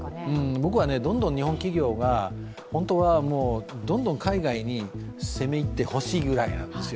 僕はどんどん日本企業が海外に攻め入ってほしいぐらいなんですよ。